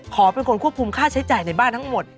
ขอเป็นคนควบคุมค่าใช้จ่ายในบ้านทั้งหมด